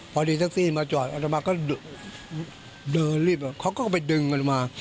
พอเดี๋ยวสักทีมาจอดอัตมาก็เดินรีบเขาก็ไปดึงอัตมา